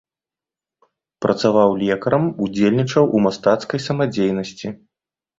Працаваў лекарам, удзельнічаў у мастацкай самадзейнасці.